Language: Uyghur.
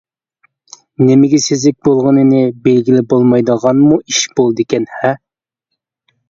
نېمىگە سېزىك بولغىنىنى بىلگىلى بولمايدىغانمۇ ئىش بولىدىكەن ھە؟ !